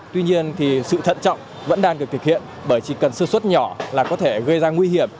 tuy nhiên sự thận trọng vẫn đang được thực hiện bởi chỉ cần sơ suất nhỏ là có thể gây ra nguy hiểm